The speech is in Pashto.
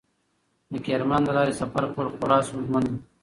د کرمان له لارې سفر کول خورا ستونزمن و.